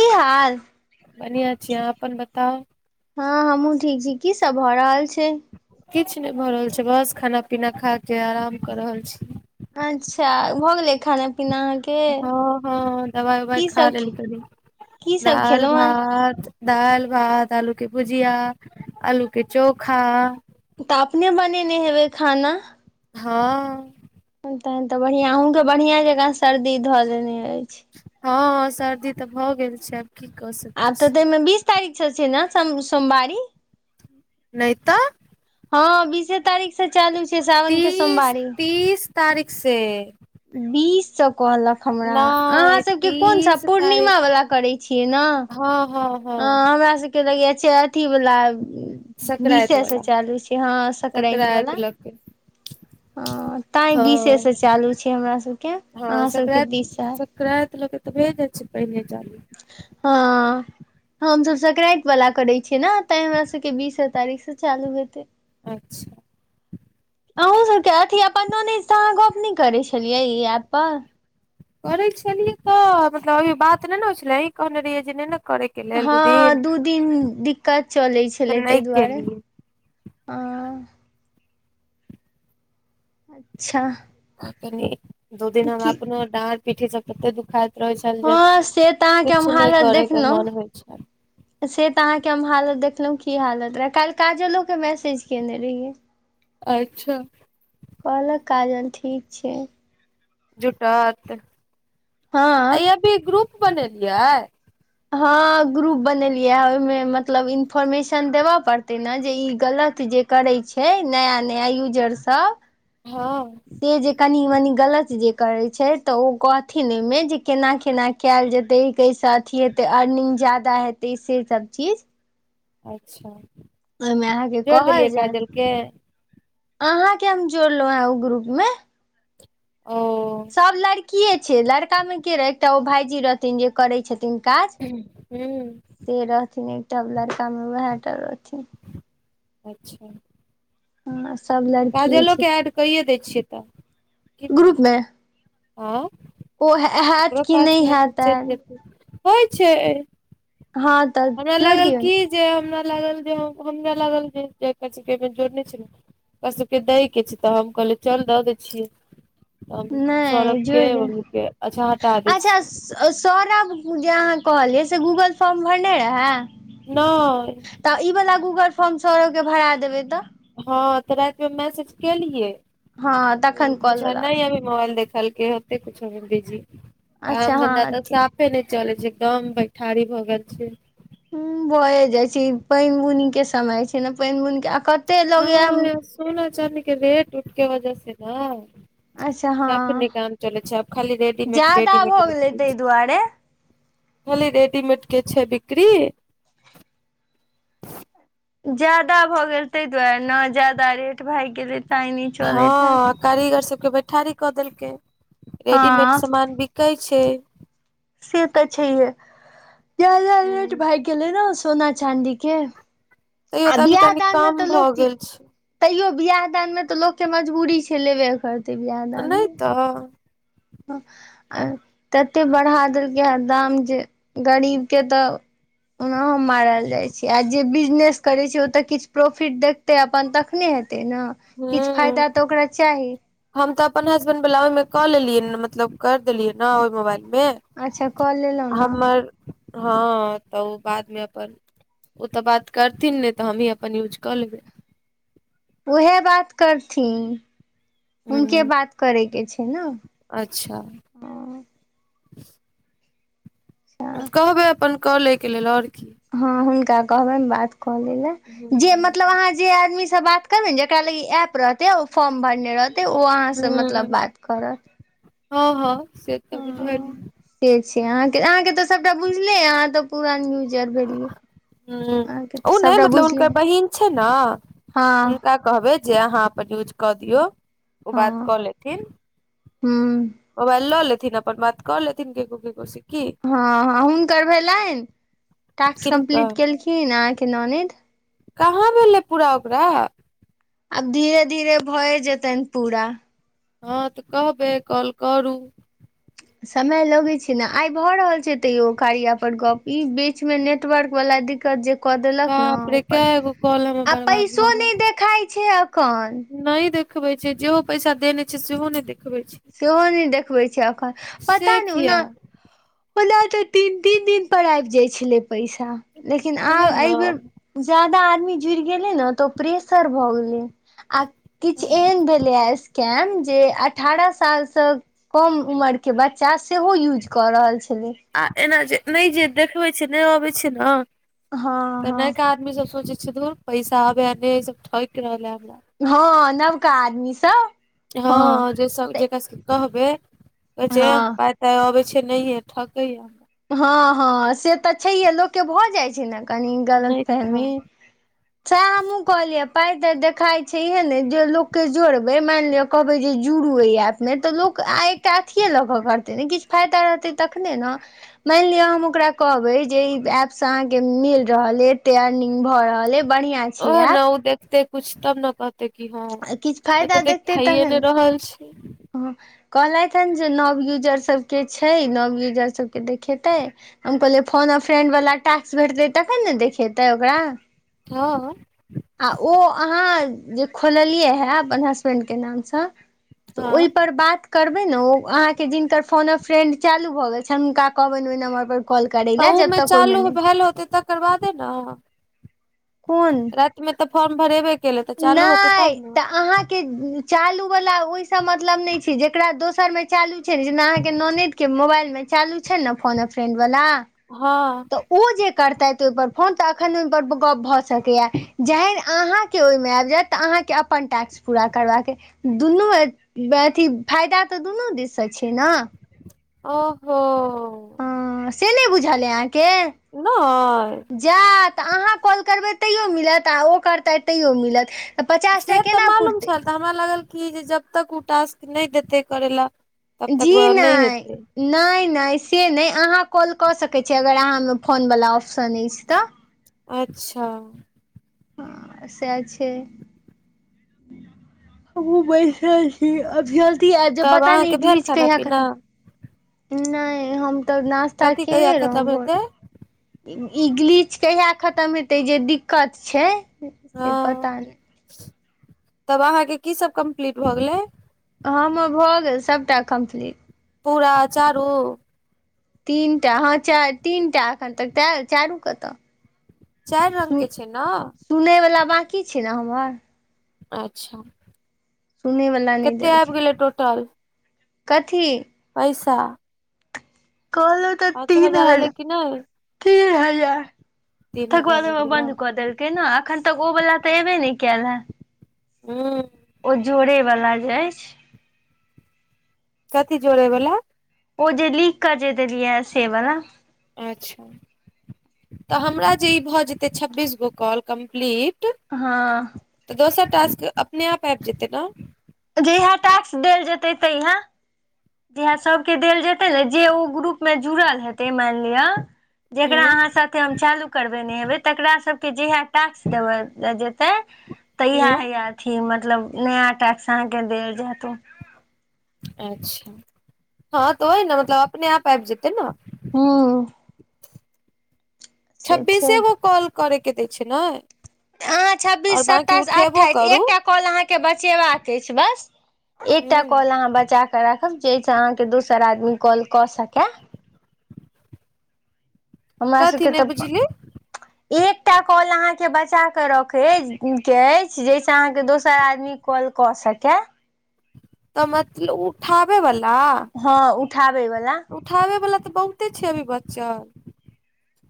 की हाल बढ़िआं छी अहाँ अपन बताउ हँ हमहुँ ठीक छी की सब भऽ रहल छै किछु नहि भऽ रहल छै बस खाना पीना खा के आराम क रहल छी अच्छा भऽ गेलै खाना पीना अहाँके हँ हँ दबाइ उवाइ की खा सब लेलि तनि की सब दालि खेलहुँ हेँ भात दालि भात आलू के भुजिया आलू के चोखा तऽ अपने बनेने हेबै खाना हँ तहन तऽ बढ़ियाँ अहूँ के बढ़ियाँ जकाँ सर्दी धऽ लेने अछि हँ सर्दी तऽ भऽ गेल छै कि कऽ सकै आब तऽ छी ताहिमे बीस तारीख छियै ने सम सोमवारी नहि तऽ हँ बीसे तारीख सँ चालू छै सावन के तीस सोमवारी तीस तारीख से बीस सँ कहलक हमरा नहि अहाँसभके कोन सा तीस तारीख पूर्णिमा वला करै छियै नऽ हँ हँ हँ हमरा सबके लगेया छै अथी वला संक्रान्ति बीसे सँ वाला चालू छै हँ सकरैंत संक्रान्ति वला लऽ के हँ तैं बीसे हँ सँ चालू छै हमरा सबके अहाँ सबके बीस स हेत संक्रैत लके तऽ भऽए जाय छै पहिने चालु हँ हमसभ सक्रैंति वाला करै छियै नऽ तैं हमरा सबके बीसे तारीख से चालू हेतै अच्छा अहूँ सबके अथी अपन नानी सँ अहाँ गप्प नहि करै छेलियै ई ऐप पर करै छेलियै तऽ मतलब अभी बात नहि ने होइ छेलै अहीं कहने रहियै जे नहि न करे हँ दू दिन दिक्कत चलैत छलै तऽ ताहि नहि दुआरे केलियै हँ अच्छा [unintelligible] दू दिनमे हमरा की अपनो डाँर पीठी सब तत्ते दुखाइत रहैत छल जे हँ से तऽ अहाँके हम किछु नहि हालत करयके देखलहुँ मोन होइत छेल से तऽ अहाँके हम हालत देखलहुॅं की हालत रहै काल्हि काजलो के मैसेज केने रहियै अच्छा कहलक काजल ठीक छै जुटत अइये हँ अभी ग्रुप बनेलियै हँ ग्रुप बनेलियै ये ओहिमे मतलब इन्फोर्मेशन देबय पड़तै ने जे ई गलत जे करै छै नया नया यूजर सभ हँ से जे कनि मनी गलत जे करै छै तऽ ओ कहथिन ओइमे जे केना केना कैयल जेते कैसँ अथी हेते अर्निंग ज्यादा हेतै से सब चीज अच्छा ओहिमे अहाँके जोड़ि कहल देलियै जायत काजल के अहाँके हम जोड़लहुँ हें ओइ ग्रुप मे ओ सभ लड़किये छै लड़कामे के रहै एकटा ओ भाईजी रहथिन जे करै छथिन काज हूँ से रहथिन एकटा लड़कामे वैह टा रहथिन अच्छा हँ सभ लड़ काजलोके ऐड कैए दै छियै तऽ की ग्रुप करियै मे आँय ओ हैत ओकरो कि नहि पासमे हैत कुछ चलि जेतै होइ छै हाँ हमरा लागल की जे हमरा लागल जे हमरा लागल जे कहै छै [unintelligible] एहिमे जोड़ने छै ने ओकरा सबके दै के छै तऽ हम कहलियै चल दऽ दै छियै तऽ ने सौरभ नहि के जोड़ि उ के अच्छा हटा दै छियै आ सौरभ जे अहाँ कहलियै से गूगल फॉर्म भरने रहय नै तऽ ई वाला गूगल फॉर्म सौरभ के भरा देबै तऽ हँ तऽ राति मे मैसेज केेलियै हँ तखन कॉल वला नहि अभी मोबाइल देखलके होते कुछो भऽ बीजी अच्छा काम धन्धा हँ तऽ साफ नहि चले छै एकदम बैठारी भऽ गेल छै ह्म भए जाइ छै पानि बुनि के समय छै ने पानि बुनि के कते लोग न या यै सोना चांदी के वेट उट के वजह से न अच्छा सबने हँ काम चलै छै आब खाली रेडीमेड ज्यादा भऽ रेडीमेड गेलै ताहि दुआरे खली रेडीमेड के छै बिक्री ज्यादा भऽ गेल ताहि दुआरे ने ज्यादा रेट भागि गेलै ताहि नहि चलैत हैत हाँ कारीगर सबके बैठारी कऽ देलकै हँ रेडीमेड सामान भी कहै छै से तऽ छैहे ज्यादा रेट हूँ, भागि गेले ने सोना चाँदी के तैयो आ तऽ अभी बियाह कनि दान मे कम तऽ भऽ लोक के गेल छै तैयो वियाह दान मे तऽ लोकके मजबूरी छै लेबे कर नहि तऽ आ तते बढ़ा देलकै हँ दाम जे गरीबके तऽ ओनाहो मारल जाइ छी आ जे बिजनेस करे छी ओतऽ किछ प्रोफिट देख ते अपन तखने हेतै ने किछ हूँ फायदा तऽ ओकरा चाही हम तऽ अपन हसबैंड वला ओहिमे कऽ लेलियै मतलब कर देलियै ने ओहि मोबाइल में अच्छा कऽ लेलौं न हँ तऽ बादमे अपन ओ तऽ बात करथिन नहि तऽ हमही अपन यूज कऽ लेबै उहे बात करथिन हुनके हूँ बात करे के छै ना अच्छा कहबै अपन कलैके लेल ओर की हँ हुनका कहबैन बात कऽ लैल जे हूँ मतलब अहाँ जे आदमी से बात करबे जेकरा लागी एप रहतेन फॉर्म भरने रहत ते ओ अहाँसँ मतलब बात करत हाँ हाँ से तऽ बुझल हँ से छै अहाँके तऽ सभटा बुझले अहाँ तऽ पूरान यूजर भेलियै अहाँके ह्म तऽ नहि सभटा मतलब बुझले हुनकर बहिन छै ना हँ हुनका कहबै जे अहाँ अपन यूज कऽ दियौ ओ बात हँ कऽ लेथिन हूँ मोबाइल लऽ लेथिन अपन बात कऽ लेथिन केकरो केकरो से की हाँ हाँ हुनकर भेलनि टास्क किनका कम्प्लीट केलखिन अहांके ननैद कहाँ भेलै पूरा ओकरा आब धीरे धीरे भए जेतन पूरा हँ तऽ कहबै काॅल करू समय लगैत छै ने आइ भऽ रहल छै तैयो कार्या पर गप ई बे बीचमे नेटवर्क वला दिक्कत जे कऽ देलक ने बाप रे ऊपर कै गो कॉल हमर आ बर्बाद पैसो भऽ गेल नहि देखाई छै अखन नहि देखबे छै जेहो पैसा देने छै सेहो नहि देखबे छै सेहो नहि देखबै छै एखन पता से नहि किया ओना ओना तऽ तीन तीन दिनपर आबि जाइत छलै पैसा लेकिन उहे आब एहि बेर न जादा आदमी जुड़ गेले ने तऽ अशर भऽ गेलै आ किछु एहन भेलैय केम जे अठारह साल से कम उमर के बच्चा सेहो यूज कर रहल छलै आ एना जे नहि जे देखबै छै नहि अबै छै ने हँ तऽ हँ नहिक आदमी सब सोचे छै धुर पैसा बने सब ठक रहल है हमरा हँ नवका आदमीसँ हँ जे जेकरा सब कहब हँ कहै त अबै छै नहिे ठकैया हँ हँ से तऽ छैहे लोकके भऽ जाइ छै ने कनी गलत नहि हँ फहमी सएह हमहुँ कहलियै पाइ तऽ देखाई छैहे ने जे लोकके जोड़बै मानि लिअ कहबै जे जुड़ू ओहि ऐपमे तऽ लोक आ एकटा अथिए लऽ कऽ करतै ने किछु फाइदा रहतै तखने ने मानि लिअ हम ओकरा कहबे जे ई एप से अहाँ के मिल रहल य एते अर्निंग भऽ रहल य ओहना ओ देखते कुछ तबने कहते तऽ की हँ किछु तऽ देख खाइए नहि रहल छी हँ कहलथि हेँ जे नव यूजरसभके छै नव यूजरसभके देखेतै हम कहलियै फोन फ्रेंड वालला टास्स भेटतै तखन ने देखेतै ओकरा हँ आ ओ अहाँ जे खोललियै हे अपन हसबेंडके नामसँ तऽ हँ ओहिपर बात करबै ने ओ अहाँके जिनकर फोन फ्रेन्ड चालू भऽ गेल छनि हुनका कहबनि ओहि नम्बर पर कॉल करै त लए जब में तक ओहिमे चालू ह नहि पल होते तऽ करबा देना कोन मे तऽ फॉर्म भरेबे केले तऽ चालू होतै तब ने चूलू वाल ओहि मतलब नहि छै जेकरा दोसर मे चालू छै जेना अहाँके के मोबाइल मे चालू छै ने फोन फ्रेंड वाला हँ तऽ ओ जे करतथिहि पर फोन तऽ अखन ओहि परर गप भऽ सकैया जखन अहाँके ओहिमे आबि जायत तऽ अहाँके अपन टैक्स पूरा करबाक छै दुनू अथी फायदा तऽ दुनू दिशसँ छै ने ओहो हँ से नहि बुझल यो आहाके नहि तऽ अहाँ कॉल करबै तैयो मिलत आ ओ करतै तैयो मिलत तऽ पचास टा से तऽ केना मालूम पुरतै छल तऽ हमरा लागल क जे जब तक ओ टास्क नहि देते करय लए तब तक नहि हेतै नहि नहि से नहि अहाँ कॉल कऽ सकैत छीियै अगर अहाँमे फोनवला ऑप्शन अछि तऽ अच्छा हँ सएह छै हमुह बैसल छी अभी हो ज तब पता न अहाँके भेल इंगलिश खाना कहिया पीना खतम नहि हम तऽ नास्ता कथी कहिया केने रहौ खतम भोर हेतै ईगलीच कहिया खतम हेतै जे दिक्कत छै से हँ पता नहि तब अहाँके की सब कम्प्लीट भऽ गेलै हमर भऽ गेल सभटा कम्प्लीट पूरा चारू तीन टा हँ तीन टा एखन तक त चारू कतऽ चारि रंग के छै न सुनैवला बाँकी छै ने हमर अच्छा सुनयवला नहि कते आबि देलखिन गेलै टोटल कथी पैसा कहलो तऽ पाँचो तीन एलै हजार कि नहि तीन हजार तीन ठकुआद हजार ओ मे आबि गेलै बंन्द कऽ देलकै ने अखन तक ओ वालला तऽ एबे ने कयल हे हूँ ओ जोड़े वाला जे अछि कथी जोड़ैवला ओ जे लीख कर देलिए से वला अच्छा तऽ हमरा जे ई भऽ जेतै छब्बीस गो कॉल कम्प्लीट हँ तऽ दोसर टास्क अपने आप आबि जेतै ने जहिया टाक्स देल जेतै तहिया जे सभके देल जेतै ने जे ओ ग्रुप मे जुड़ल हेतै मानि लिअ जेकरा अहाँ ह सबके हम चालू करबे ने हेबै तकरा सबके जेहा टाक्स देब जेते तहिया हय अथी मतलब नया टाक्स अहाँके देल जायतू अच्छा हँ तऽ ओहि ने मतलब अपने आप आबि जेतै ने हूॅं छै छब्बीसे गो कॉल करैके दै छै ने हँ आओर छब्बीस बाँकी सत्ताइस उठेबो अठाइस करू एकटा कॉल अहाँ बचाने के छै बस ह राखब जाहिसँ अहाँके दोसर आदमी कॉल कऽ सकय [unintelligible] हमरा कथी सबके नहि बुझली तऽ एकटा कॉल अहाँके बचा कऽ रखैके अछि जाहिसँ अहाँके दोसर आदमी कॉल कऽ सकेै तऽ मतलब उठाबे बला हँ उठाबै बला उठाबै बला तऽ बहुते छै अभी बच्चल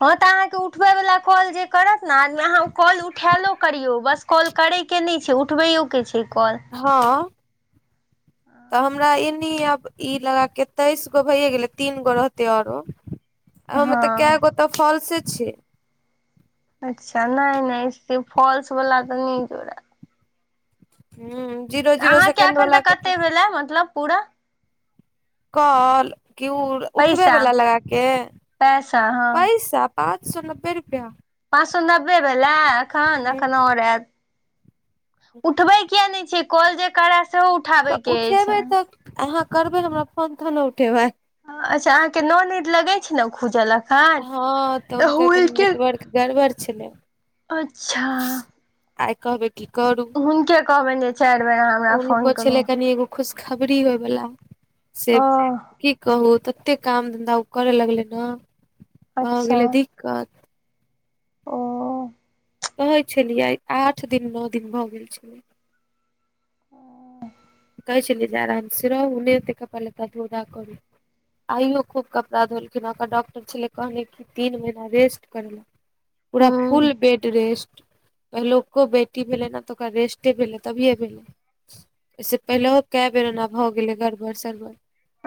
हँ तऽ अहाँकेँ उठबैवला कॉल जे करत ने आदमी अहाँ कॉल उठायलो करियौ बस कॉल करैके नहि छै उठबैयओ के छै कॉल हँ तऽ हमरा एनी आब ई लगा कऽ तेइस गो भैए गेलै तीन गो रहतै आरो आ मे ऽ हँ कै गो तऽ फॉलस छै अच्छा नहि नहि से फॉल्स वाला तऽ नहि जोड़त हू जीरो तऽ जीरो अहाँके सेकेंड एखन वाला तऽ के कतेक भेलै मतलब पूरा कॉल कि उठबे पैसा बला लगाक पैसा हँ पैसा पाॅंच सए नब्बे रुपआ पाँच सो नब्बे भेला एखन एखन ओर हैत उठबे किया नहि छिय कल जे करए सेहो उठाबे तऽ के अछि उठेबै तऽ अहाँ करबै हमरा फोन तऽ ने उठेबै अच्छा अहाँके ननईद लगै छै ने खूजलक हँ तऽ हुनकर कनि नेटवर्क गड़बड़ छलै अच्छा आइ कहबै की करू हुनके कहबनि जे चारि बेर अहाँ हमरा फोन उनको करू छलै कनि एगो खुशखबरी होयवाला से ओ की कहू तऽ कते काम धन्धा ओ करे लगले ने भ अच्छा गेलै दिक्कत ओ कहै छलियै आठ दिन नओ दिन भऽ गेल छलै कहै छले जे आराम से रहूँ नहि एतै कपड़ा लता धो दा करू आइयो खूब कपड़ा धोलखिन ओकर डॉक्टर छले कहने तीन महीना रेस्ट करेेले पूरा हूँ फुल बेड रेस्ट पहिलो बेटी भेले ने तऽ ओकरा रेस्टे भेले तभिए भेले एहिसे पहिले कए बेर एना भऽ गेलै गड़बड़ सड़बड़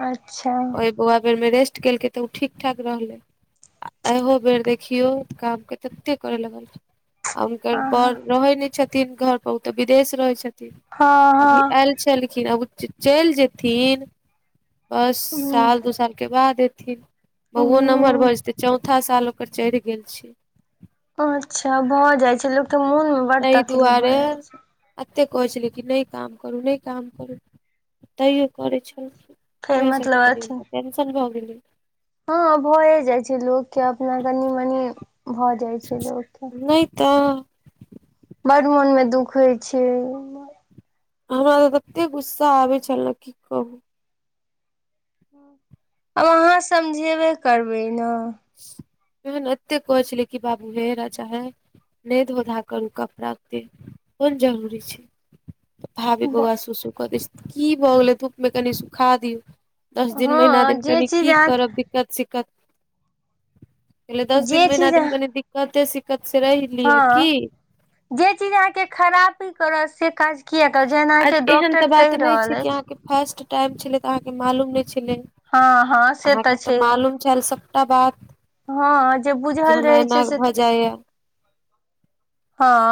अच्छा ओहि बौआ बेर मे रेस्ट केलकै तऽ ओ ठीक ठाक रहलै आ एहो बेर देखियौ काम के ततेक करय लगलखिन ना आ हुनकर हँ बर रहै नहि छथिन घर पर ओ तऽ विदेश रहै छथिन हाँ हाँ छेलखिन आब ओ जे चलि जेथिन बस हूँ साल दू साल के बाद एथिन बउओ नम्हर हूँ भऽ जेतै चौथा साल ओकर चढ़ि गेल छै अच्छा भऽ जाय छै लोक के मोनमे बड्ड तकलीफ भए जाइ छै एतेक कहै छेलियै कि नहि काम करू नहि काम करू तैयो करै छेलखिन फेर वैह सबके मतलब कनी अथी हुनका टेन्शन भऽ गेलै हँ भए जाइ छै लोकके अपना कनी मनी भऽ जाइ छै लोक केँ नै तऽ बड्ड मौनमे दुख होइ छै ओना हमरा तऽ ततेक गुस्सा आबै छलै की कहू आब अहाँ समझेबे करबै नऽ ओहे नऽ एते कहै छेलियै कि बाबू हे राजा हे नै धो धा करू कपड़ा एतै कोन जरूरी छै तऽ भाभी बौआ सुसू कऽ दै छै तऽ की भऽ गेलै धूप मे कनि सुखा दियौ दस दिन महिना हँ दिन जे कनि चीज की अहाँ करब दिक्कत सिक्कत कहलियै दस दिन जे महिना चीज दिन कनि दिक्कते सिक्कत से रहि लिय हँ की जे चीज अहाँ के खरापी करत से काज किए करत जेहन अहाँ आ के एहन तऽ डॉक्टर बात कहि नहि छै रहल कि अछि अहाँके फर्स्ट टाइम छेलै तऽ अहाँ के मालूम नहि छेलै हँ हँ से अहाँ के तऽ छैहे मालूम छेल सबटा बात हँ जे कि बुझल हमरा रहै छै एना से भऽ तऽ जाइये हँ